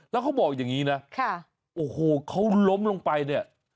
แล้วเขาบอกอย่างนี้นะโอ้โหเขาล้มลงไปเนี่ย